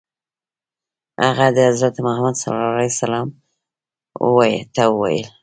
هغه حضرت محمد صلی الله علیه وسلم ته وویل.